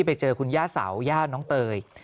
ไปเจอคุณย่าเสาย่าน้องเตย